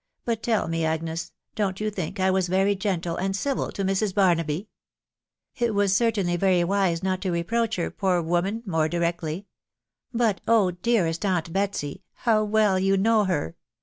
••. But tell me, Agnes., don't you think I was very gentle and civil to l^rs. Barnaby ?"" It was certainly very wise not to reproach her, poor woman, more directly. ... But, oh ! dearest aunt Betsy, how well you know her